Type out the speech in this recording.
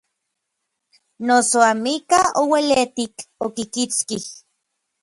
Noso amikaj ouelitik okikitskij.